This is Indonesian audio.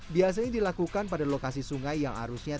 biasanya dilakukan pada lokasi sungai yang arusnya